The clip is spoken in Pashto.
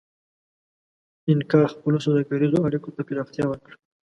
اینکا خپلو سوداګریزو اړیکو ته پراختیا ورکړه.